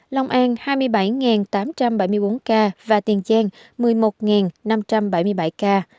long an hai mươi bảy tám trăm bảy mươi bốn ca và tiền giang một mươi một năm trăm bảy mươi bảy ca